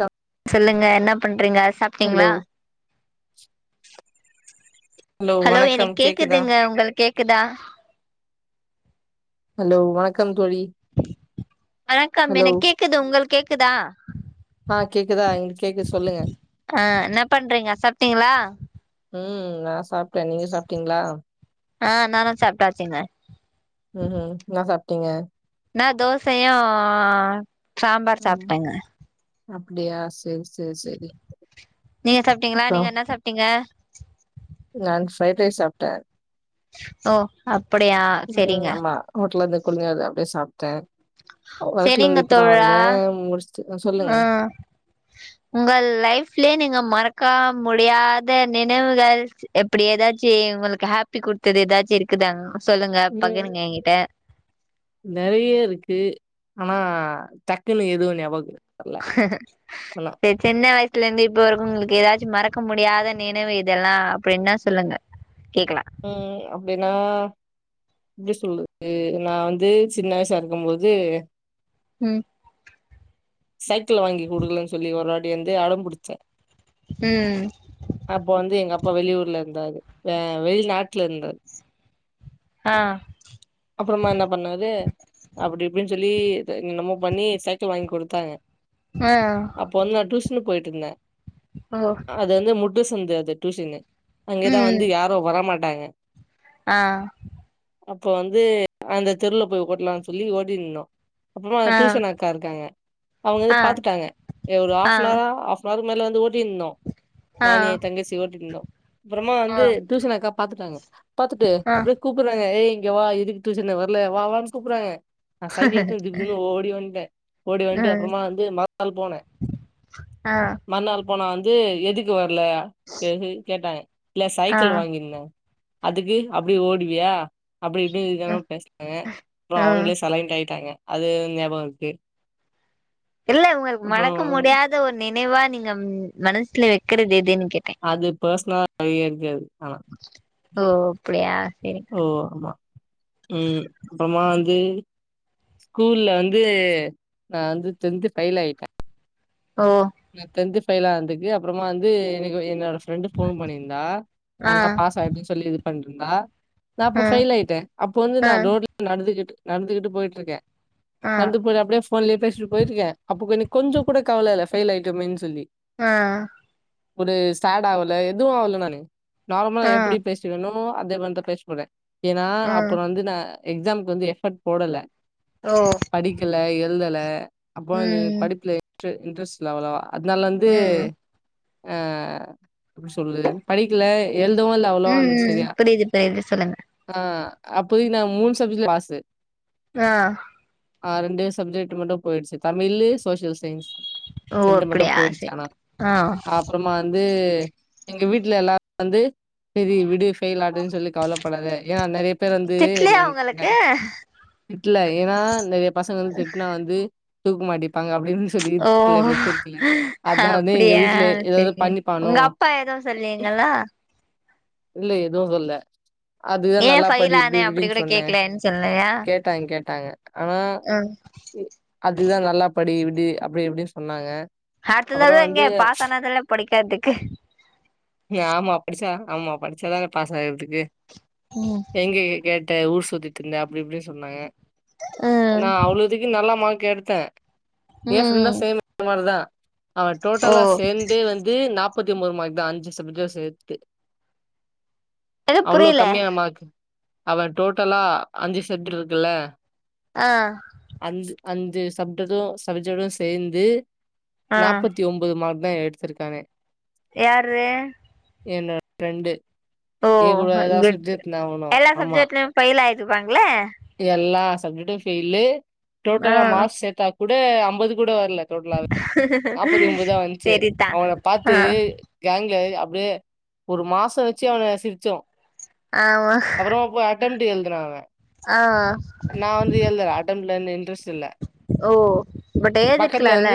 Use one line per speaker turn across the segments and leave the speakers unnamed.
க
சொல்லுங்க என்ன பண்றீங்க சாப்
ஹலோ
ஹலோ
வணக்கம்
எனக்கு
கேக்குதா
கேக்குதுங்க உங்களுக் கேக்குதா
ஹலோ வணக்கம் தோழி
வணக்கம்
ஹலோ
எனக்கு கேக்குது உங்களுக் கேக்குதா
ஆ கேக்குதா எங்களுக்கு கேக்குது சொல்லுங்க
அ என்ன பண்றீங்க சாப்டிங்களா
ம் நா சாப்டே நீங்க சாப்டீங்களா
ஆ நானு சாப்டாச்சுங்க
ம்ம் என்னா சாப்டீங்க
நா தோசையு சாம்பார் சாப்ட்டங்க
அப்படியா செரி சேர் செரி
நீங்க சாப்டீங்களா நீங்க என்ன சாப்டீங்க
நான் ப்ரைட் ரைஸ் சாப்ட்ட
ஓ அப்படியா செரிங்க
ஹோட்டலருந்து [unintelligible] அப்படியே சாப்ட்ட வர்க்ல இருந்து
செரிங்க
இப்பதா
தோழா
வந்தே முடிஸ்
ஆ உங்க லைப்லே நீங்க மறக்கா முடியாத நினைவுகள் எப்படி எதாச்சி உங்களுக்கு ஹாப்பி குடுத்தது எதாச்சி இருக்குதாங் சொல்லுங்க
ம்
பகிருங்க எங்கிட்ட
நெறைய இருக்கு அனா டக்குன்னு எதுவு ஞாபகோ இல்ல
டெட் சின்ன வயசுலருந்து இப்ப வர்க்கு உங்களுக்கு எதாச்சு மறக்க முடியாத நினைவு இதெல்லா அப்டின்னா சொல்லுங்க கேக்கல
ம் அப்டின்னா எப்டி சொல்றது நா வந்து சின்ன வயசா இருக்கும் போது
ம்
சைக்கிள்ள வாங்கி குடுக்கலன்னு சொல்லி ஒருவாட்டி வந்து அடம்புடிச்ச
ம்
அப்ப வந்து எங்க அப்பா வெளி ஊர்ல இருந்தாரு வெ வெளிநாட்டுல இருந்தாரு
அ
அப்புறமா என்ன பண்ண அது அப்டி இப்டின்னு சொல்லி என்னமோ பண்ணி சைக்கிள் வாங்கி கொடுத்தாங்க
ஆ
அப்போ வந்து நா டியூஷன் போயிட்டு இருந்தே
ஓ
அது வந்து முட்டு சந்து அது டியூஷன்னு அங்கதா
ம்
வந்து யாரும் வரமாட்டாங்க
ஆ
அப்ப வந்து அந்த தெருல போய் ஓட்லானு சொல்லி ஓடின்னு இருந்தோ அப்புறமா
ஆ
டியூஷன் அக்கா இருக்காங்க அவங்க வந்து
ஆ
பாத்துட்டாங்க ஒரு
ஆ
ஹாஃப்னவரா ஹாஃப் மறு மேல வந்து ஓட்டின்ருந்தோ
ஆ
நானு எ தங்கச்சி ஓட்டிருந்தோ அப்புறமா
ஆ
வந்து டியூஷன் அக்கா பாத்துட்டாங்க பாத்துட்டு
ஆ
அப்டியே கூப்புறாங்க ஏய் இங்க வா எதுக்கு டியூசன்க்கு வர்ல வா வானு கூப்புறாங்க நா சைக்கிள் எத்து திபு திபு ஓடி வந்ட்ட ஓடி வந்ட்டு
ம்
அப்புறமா வந்து மறுநாள் போனே
ஆ
மறுநாள் போனா வந்து எதுக்கு வர்ல [unintelligible] கேட்டாங்க இல்ல
ஆ
சைக்கிள் வாங்கிருந்தே அதுக்கு அப்டி ஓடுவியா அப்டி இப்டி
அ
இதாக பேஷ்னாங்க அப்புற
ஆ
அவுங்களே சைலன்ட் ஆயிட்டாங்க அது ஞாபக இருக்கு
இல்ல உங்களுக்கு
அப்புறோ
மறக்க முடியாத ஒரு நினைவா நீங்க மனசுல வக்கிறது எதுன்னு கேட்டே
அது பர்ஷ்னலா [unintelligible] இருக்காது ஆனா
ஓ அப்டியா சரி
ஓ ஆமா ம் அப்புறமா வந்து ஸ்கூல்ல வந்து நா வந்து டென்த் ஃபெயில் ஆயிட்டே
ஓ
நா டென்த்து ஃபெய்லானதுக்கு அப்புறமா வந்து எனக்கு என்னோட ஃப்ரெண்டு ஃபோன் பண்ணியிருந்தா ஆ நா பாஸ் அயிட்டேன்னு சொல்லி இது பண்ட்டுருந்தா நா அப்ப
ஆ
ஃபெயில் ஆயிட்ட அப்ப வந்து
ஆ
நா ரோட்ல நடந்துக்கிட்டு நடந்துக்கிட்டு போயிட்டு இருக்கே
ஆ
நட்ந்து போயிட்டு அப்டியே ஃபோன்லயே பேசிட்டு போயிட்ருக்கே அப்போ எனக் கொஞ்ச கூட கவல இல்ல ஃபெயில் ஆயிட்டமேனு சொல்லி
ஆ
ஒரு சேட் ஆவல எதுவு ஆவல நானு நார்மலா
ஆ
எப்டி பேசுவனோ அதே வந்து பேசு போல ஏன்னா
ஆ
அப்புற வந்து நா எக்ஸாமுக்கு வந்து எஃபர்ட் போடல
ஓ
படிக்கல எழுதல அப்பற இது
ம்
படிப்புல இன்ட்ரெ இன்ட்ரெஸ்ட் இல்ல அவ்வளவா அதனால வந்து
ம்
ஆ எப்டி சொல்றது படிக்கல எழுதுவும் இல்ல அவ்வளவா
ம் ம்
சரியா
புரியுது புரியுது சொல்லுங்க
ஆ அப்போவே நா மூணு சப்ஜெ்ட்ல பாசு
ஆ
ஆ ரெண்டே சப்ஜெக்ட் மட்டு போயிடுச்சு தமிழு சோசியல் சயின்ஸ்
ஓ
ரெண்டு மட்டு
அப்டியா
போயிடுச்சு
செரி
ஆனா
ஆ
அப்புறமா வந்து எங்க வீட்ல எல்லாரு வந்து செரி விடு ஃபெயில் அப்டின்னு சொல்லி கவலப்படாத ஏ அது மாரி வந்து
திட்லயா
நல் ந
உங்களுக்கு
திட்டுல ஏன்னா நெறைய பசங்க வந்து திட்னா வந்து தூக்கு மாட்டிப்பாங்க அப்டின்னு சொல்லி
ஓ
[inaudible] அதா எங்க
அப்டியா
வீட்டுல ஏதாது
செரி
பண்ணிப்பானோ
உங்க அப்பா எதுவு சொல்லீங்களா
இல்ல எதுவு சொல்ல அதுதா
ஏ
நல்லா படி
ஃபெயில்
இப்டி
ஆனே அப்டி
இப்டின்
கூட
சொன்னே
கேக்கலன்னு சொல்லயா
கேட்டாங்க கேட்டாங்க ஆனா
ம்
இ அதுக்தா நல்லா படி விடு அப்டி இப்டி சொன்னாங்க
ஹார்ட்
அப்புறோ
தான இங்க
வந்து
பாசானதானட படிக்கறதுக்கு
ஆமா படிச்சா ஆமா படிச்சாதானே பாஸாகறதுக்கு
ம்
எங்க கே கேட்ட ஊர் சுத்திட்ருந்த அப்டி இப்டி சொன்னாங்க
ம்
ஆனா அவ்ளோ இதுக்கு நல்ல மார்க் எடுத்தே ஏ ஃப்ரெண்டு
ம்
சேம் [inaudible] மார்தா அவ
ஓ
டோட்டலா சேந் து வந்து நாப்பத்தி ஒம்போது மார்க் தா அஞ்சு சப்ஜெக்டு சேத்து
எனக்கு
அவ்ளோ
புரியல
கம்மியான மார்க் அவ டோட்டலா அஞ்சு செட் இருக்குல்ல
ஆ
அஞ் அஞ்சு சப்டது சபஜடு சேந்து
ஆ
நாப்பத் தி ஒம்பது மார்க் தா எடுத்திருக்கானே
யார்ரு
என்னோட ஃப்ரெண்டு
ஓ
ஏ கூடதா சுத்திட்டுந்தா அவனு ஆமா
ஃபெய்ல் ஆய்டுவாங்ல
எல்லா சப்ஜெக்ட்டு ஃபெய்லு.
ஆ
டோட்டலா மார்க்ஸ் சேத்தா கூட அம்பது கூட வர்ல. டோட்லாவே நாப்பத்தி ஒம்பதுதா வந்துச்சு.
செரிதா
அவன பாத்து
ஆ
கேங்குல அப்டியே ஒரு மாசோ வச்சு அவன சிரிச்சோ
ஆமா.
அப்புறமா போய் அட்டம்ட் எழுதுனா அவ
ஆ
நா வந்து எழ்தல அடெம்ப்ட்ல அந்த இன்ட்ரெஸ்ட் இல்ல.
ஓ பட் ஏதி இருக்லால.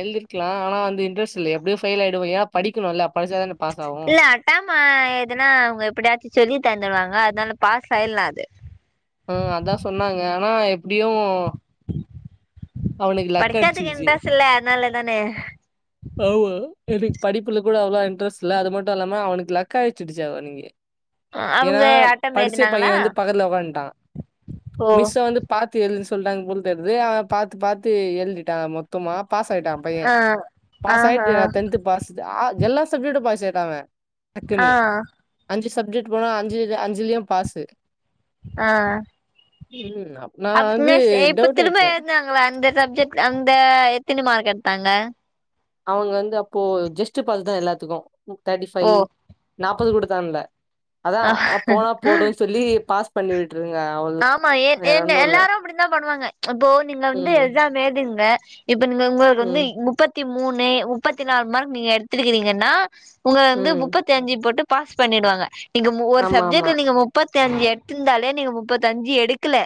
எழ்திருக்லா. ஆனா வந்து இன்ட்ரஸ்ட் இல்ல. எப்டியு ஃபெய்ல் ஆயிடுவோ ஏ படிக்கணுல்ல. படிச்சாதான பாஸ் ஆவு
இல்ல, அட்டாம எதுனா அவுங்க எப்டியாச்சு சொல்லி தந்துருவாங்க. அதனால பாஸ் ஆயில்லா அது.
ஆ அதா சொன்னாங்க. ஆனா எப்டியு அவனுக்கு லக்
படிக்கதுக்கு
அடிச்சிருச்சு
இன்ட்ரெஸ்ட் இல்ல அதனால தானே.
ஆமா, எனக்கு படிப்புல கூட அவ்ளா இன்ட்ரெஸ்ட் இல்ல அது மட்டு இல்லாம அவனுக்கு லக் அடுச்சுடுச்சு அன்னைக்கு
அவங்க
ஏன்னா
அட்டம்
படிச்ச பைய
எழுதுனாங்களா
வந்து பக்கத்துல ஒக்கான்ட்டா
ஓ
மிஸ்சு வந்து பாத்து எழுத சொல்ட்டாங்க போல் தெர்து. அவ பாத்து பாத்து எழ்திட்டா மொத்தமா பாஸ் ஆயிட்டா பைய
ஆ
பாஸ்
ஆஹா
ஆயிட்டு டென்த்து பாஸ் ஆ எல்லா சப்ஜெக்ட்டு பாஸ் ஆயிட்டா அவ
ஆ
டக்குனு. அஞ்சு சப்ஜெக்ட் போனா அஞ்சுது அஞ்சுலயும் பாசு.
ஆ
அப்ப நான் வந்து
அப்னா செ இப்ப
டவுட்
திரும்ப
ஆயிடுச்சேன்.
எழுதுனாங் ல அந்த சப்ஜெக்ட் அந்த எத்தினி மார்க் எட்த்தாங்க.
அவுங்க வந்து அப்போ ஜெஸ்ட் பாசுதா எல்லாத்துக்கு தேர்ட்டி ஃபைவ்
ஓ
நாப்பது கூட தாண்ல. அதா போனா போட்டுன் சொல்லி பாஸ் பண்ணிவிட் விட்ருங்க அவ
ஆமா ஏன் ஏன்னு எல்லாரு அப்டி தா பண்ணுவாங்க. இப்போ நீங்க வந்து
ம்
எக்ஸாம் எழ்திங்க. இப்ப [unintelligible] உங்களுக்கு வந்து
ம்
முப்பத் தி மூணு முப்பத்தி நால் மார்க் நீங்க எடுத்துருக்கீரங்கன்னா உங்க வந்து
ம்
முப்பத் தி அஞ்சு போட்டு பாஸ் பண்ணிடுவாங்க. நீங்க மு ஒரு
ஆமா ஆமா
சப்ஜெக்ட்ல நீங்க முப்பத்தி அஞ்சு எடுத்திருந்தாலே நீங்க மு ப்பத்து அஞ்சு எடுக்கல.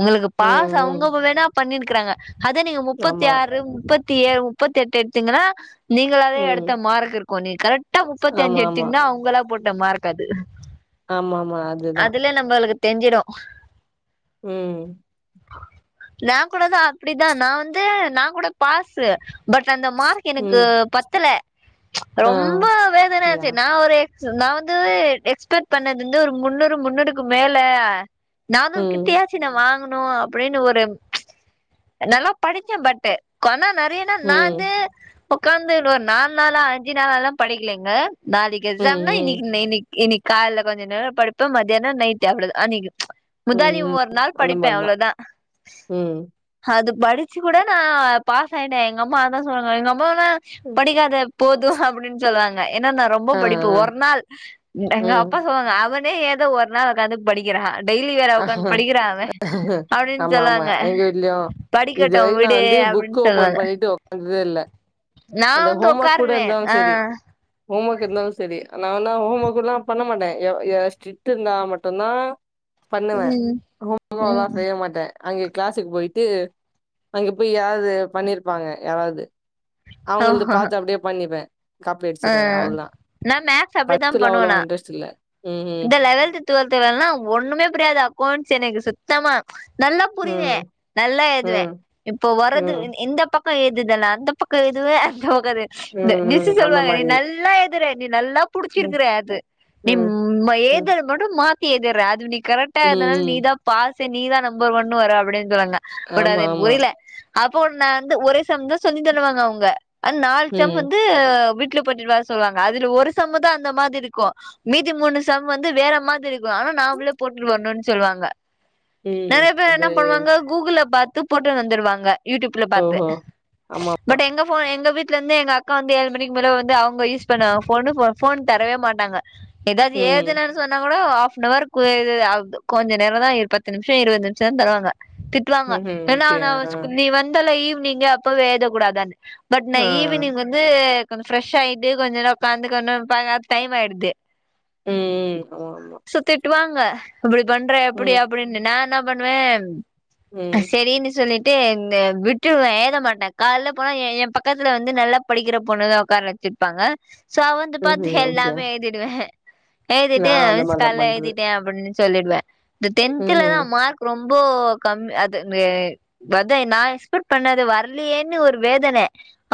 உங்களுக்கு பாஸ்
ம் ம்
அவுங்க வேணா பண்ணிருக்குறாங்க. அத நீங்க முப்பத்தி
ஆமா
ஆறு முப்பத்தி ஏழு, முப்பத்தி எட்டு எடுத்தீங்கன்னா நீங்களாவே
ம்
எடுத்த மார்க் இருக் கு நீ கரெக்ட்டா முப்பத்தி அஞ்சு
ஆமா ஆமா
எடுத்தீங்னா அவுங்களா போட்ட மார்க் அது.
ஆமா ஆமா அதுதா
அதுலயே நம்மளுக்கு தெஞ்சிடு
ம்
நா கூடதா அப்டிதா. நா வந்து, நா கூட பாசு பட் அந்த மார்க் எனக்கு
ம்
பத்தல.
ஆ
ரொம்ப வேதன
அப்டியா
ஆச்சு நா ஒரு சோ நா வந்து எக்ஸ்பெக்ட் பண்ணது வந்து ஒரு முன்னூறு முன்னூறுக்கு மேல. நானூர்
ம்
கிட்டயே ச்சு நா வாங்கனு அப்டின்னு ஒரு நல்லா படிச்சே பட்டு கொனா நெறைய நா நா வந்து
ம்
உகீகாந்து ஒரு நாலு நாளா அஞ்சு நாளல்லா படிக்கலேங்க. நாளைக்கு
ம்
எக்ஸாம்னா
ம்
இன்னிக்கு இன்ன இன்னிக் இன்னுக் கால கொஞ்ச நேர படிப்பே மத்தியான நைட்டு அவ்ளதா அன்னிக்கு
ம்
முந்தாளி ஒரு
ம்
நாள்
அந்த
படிப்பே
மாரிதா
அவ்ளதா
ம்
அது படிச்சு கூட நா பாஸ் ஆயிட்டே. எங்க அம்மா அதா சொல்றாங்க எங்க அம்மா அனா
ம்
படிக்காத போது அப்டின்னு சொல்லுவாங்க. ஏன்னா நா ரொம்ப
ஆ
படிப்ப.
ஆ
ஒரு நாள் எங்க
ம்
அப்பா சொல்லுவாங்க அவ ளே ஏதோ ஒரு நாள் ஒக்காந்து படிக்கிறா டெய்லி வேறயா உக்காந்து படிக்கிறா அவ. அப்டின்
ஆமா ஆமா
சொல்லுவாங்க.
எங்க வீட்லயு
படிக்கட்டு விடு அப்டின்னு சொல்லுவாங்க.
வந்ததே இல்ல.
நா
அந்த
வந்து
ஹோம் ஒர்க் கூட
உக்காருவே
இருந்தாலு
ஆ
சரி. ஹோம் ஒர்க் இருந்தாலு சரி. நா ஆனா ஹோம் ஒர்க் குருத்தா பண்ண மாட்டே எ எ ஸ்டிருட்டு இருந்தா மட்டுதா பண்ணுவே
ம்
ரொம்ப அவ்ளவா
ம்
செய்ய மாட்டே அங்கே கிளாஸுக்கு போயிட்டு, அங்க போய் யாராவது பண்ணிருப்பாங்க யாராவது அவுங்கள்து
ஓஹோ
பாத்து அப்டியே பண்ணிப்பே காப்பி
ஆ,
அடிச்சிருவே அவ்ளதா
நா மேக்ஸ் அப்டித்தா
படிப்புல
பண்ணுவே
அவ்ளோ
நா
இன்ட்ரெஸ்ட் இல்ல ம்
இந்த லெவல்து டுவல்துலலா ஒண்ணுமே புரியாது அக்கவுண்ட்ஸ் எனக்கு சுத்தமா நல்லா புரியுவே
ம்
நல்லா எழுதுவே
ம்
இப்போ
ம்
வர்றது
ம்
இ இந்த பக் க எழுதுதலா அந்த பக்க எழுதுவே அந்த பக்கோது
ம் ம் அந்த
வாக நீ
மாரி
நல்லா எழுதுர நீ நல்லா
ம்
புடிச்சிருக்குறேட்டு நீ
ம்
ம
ம்
எதுர மட்டு மா த்தி எழுதுரே அது நீ கரெக்டா
ம்
எழுதுன நீ
ம்
தா பாஸ்ஸே நீ தா நம்பர் ஒன்னு வருவே அப்டின்னு சொல்லுவாங்க பட் அது
ஆமா
எனக்கு
ஆமா
புரியலே அப்போ கூ நா வந்து ஒரே சம்தா சொல்லி தருவாங்க அவங்க ஆனா நாலு சம்
ம்
வந்து வீட்டுல பண்ணிட்டு வர சொல்லுவாங்க அதுல ஒரு சம்முதா அந்த மாதிருக்கு மீதி மூணு சம் வந்து வேற மாதிருக்கு ஆனா நாமளே போட்டுட்டு வரனுனு சொல்லுவாங்க
ம்
நெறைய பேர் என்ன
அது
பண்ணுவாங்க கூகுள்ல பாத்து போட்டு வந்துடுவாங்க யூடியூப்ல பாத்து
ஓஹோ ஆமா
பட் எங்க ஃபோ எங்க வீட்ல வந்து எங்க அக்கா வந்து ஏழு மணிக்கு மேலே வந்து அவங்க யூஸ் பண்ணுவாங்க ஃபோனு ஃபோன் தரவே மாட்டாங்க ஏதாது
ம்
எழுதனுன்னு சொன்னா கூட ஆஃப் நவர் கொ து அது கொஞ்ச நேர தா இரு பத் து நிமிஷ இருவது நிமிஷதா தருவாங்க திட்டுவாங்க
ம்ஹும்
ஏன்ன
அப்டியா
நா
ஆ
ச் நீ வந்தல ஈவினிங்கு அப்பவே எழுத கூடதானு பட் நா
ஆ
ஈவினிங் வந்து கொஞ்ச ஃப்ரெஷ் ஆயிட்டு கொஞ்ச நேர உக்காந்து கொஞ் நேர பாத்த டைம் ஆய்டுது
ம் ம் ஆமா
சு திட்டுவாங்க இப்டி பண்ற இப்டி
ம்
அப்புடின்னு நா என்ன பண்ணுவே
ம்
சேரினு சொல்லிட் டு இந்த விட்றுவே ஏழுத மாட்டே காலைல போனா எ எ பக்கத்துல வந்து நல்லா படிக்கிற பொண்ணுதா உக்கார வெச்சுருப்பாங்க சோ அவந்து பாத்து
ம்ஹும் அப்டியா
எல்லாமே எழுதிடுவே எழுதிட்டு
நானு அந்த
மிஸ்
மாரிதா
கால்ல
பண்றது
எழுதிட்டே அப்டின்னு சொல்லிடுவே இந்த டென்த்துலதா
ம்ஹும்
மார்க் ரொம்போ கம்மி அது து அதா நா எக்ஸ்பெட் பண்ணது வரலேயேன்னு ஒரு வேதன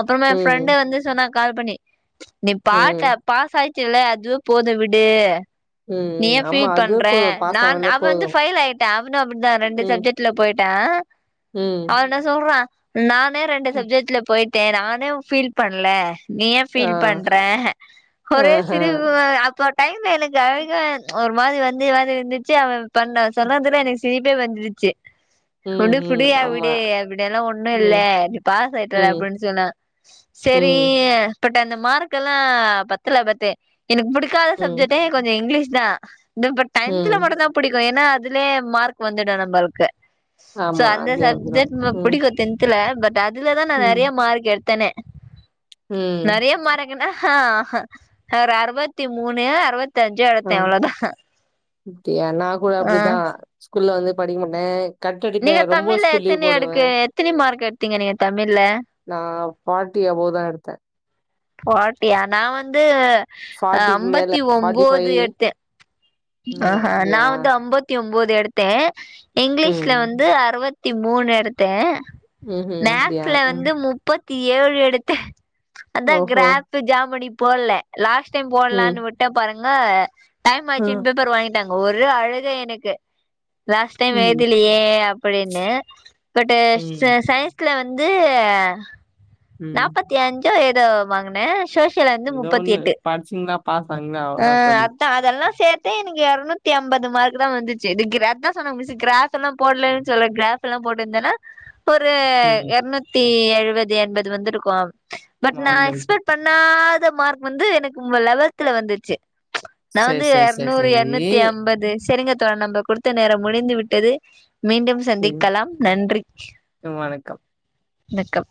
அப்றமா ஏ
ம்
ஃப்ரெண்டு வந்து சொன்னா கால் பண்ணி நீ
ம்
பாட்ட பாஸ் ஆயிச்சுல்லே அதுவே போது விடு
ம்,
நீ
ம்.
ஏ
ஆமா.
பீல்
அதுவே
பண்றே
போதும். பாஸ்
நான்
ஆனாலே
அவ வந்து
போதும்.
ஃபெயில் ஆய்ட்டா அவனு அப்டிதா ரெண்டு
ம்,
சப்ஜெக்ட்ல போய்ட்ட
ம்.
அவ என்ன சொல்றா நான் னே ரெண்டு
ம்.
சப்ஜெக்ட்ல போய்ட்டே நானே ஃபீல் பண்லே நீ ஏ
ஆ.
ஃபீல் பண்ற ஒரே
ஆஹ.
சிரிப்புத அப்ப டைம்ல எனக்கு அழுக ஒரு மாரி வந்து வேற இருந்துச்சு அவ பண்ண
ம்,
சொல்றதுல எனக்கு சிரிப்பே வந்துருச்சு
ம்,
உடு
ம். ஆமா.
ஃபிரியவிடு அப்டியெல்லா ஒன்னு இல்ல
ம்,
நீ பாஸ் ஆய்ட்டல
ம்,
அப்டின் சொன்னா சேரி
ம்,
பட் அந்த மார்கல்லா பத்தல பட்டு எனக்கு புடிக்காத
ம்,
சப்ஜெட்டே கொஞ்சோ இங்லீஷ்தா இந்த பட்
ம்.
டென்த்ல மட்டுதா புடிக்கு எனா அதுலயே மார்க் வந்துடு நம்மள்க்கு சோ
ஆமா.
அந்த
அதுவே வந்துரும்.
சப்ஜக்ட்
ம்,
புடிக்கு டேன் த்துலே பட் அதுலதா நா
ம்,
நெறைய மார்க் எடுத்தனே
ம்.
நெறைய மார்க் என்ன அஹ ஒரு அறுபத்தி மூணு அறுபத்தி அஞ்சு
ஆ.
எடுத்தே அவ்ளோதா
அப்டியா நாகூட
ஆ
அப்டிதா ஸ்கூல்ல வந்து படிக்கமாட்டே
நீங்க தமிழ்ல எத்தினி எடுக்கு எத்தினி மார்க் எடுத்தீங்க நீங்க தமிழ்ல
நா ஃபாட்டி அபோதா எடுத்த
ஃபாட்டியா நா வந்து
மேல
அம்பத்தி ஒம்போது எத்தே
ம்.
ஆஹ நா
அப்டியா?
வந்து அம்பத்தி ஒம்போது எடுத்தே இங்லீஷ்ல
ம்.
வந்து அறுவத் த்தி மூணு எடுத்தே
ம்ஹ்ம். அப்டியா?
மேக்ஸ்ல
ம்.
வந்து முப்பத் தி ஏழு எடுத்த அத்தா
ஓஹோ!
க்ராப்பு ஜாமன்றி போல்ல லாஸ்ட் டைம்
ம்.
போட்லான்னு விட் டே பாருங்க டைம்
அ.
ஆச்சுன் பேப்பர் வாங்கிட்டாங்க ஒரே அழுக எனக்கு லாஸ்ட் டைம்
ம்.
எழுதலியே அப்படின்னு பட்டு
ம்,
சயின்ஸ் ல வந்து
ம்.
நாப்பத்தி அஞ்சோ எதோ வாங்குனே சோசி
எதோ ஒன்னு படிச்சிங்களா பாஸ் ஆனிங்ளா அவ்ளோதா தோழி
தா அதெல்லா சேத்தே எனக்கு எரநூத்தி அம்பது மார்குதா வந்துச்சு இது க்ரா அத்தா சொன்ன மிஸ்ஸு க்ராஃப் லா போட்லேன் சொல்லு க்ராஃப் எல்லா போட்ருந்தன்னா ஒரு
ம்.
எர்நூத்தி எழுபது எண்பது வந்துருக்கு பட் நா
வந்திருக்கோம்.
எக்ஸ்பெக்ட் பண் ணாத மார்க் வந்து எனக்கு லெவல்துல வந்துச்சு நா
சரி,
வந்து
சரி, சரி,
எர்நூறு
சரி.
எர்நூத்தி அம்பது செரிங்கத்தோழ நம்ப குடுத்த நேரம் முடிந்து விட்டது மீண்டும்
சரி.
சந்திக்கலாம் நன்றி
வணக்கம்.
வணக்கம்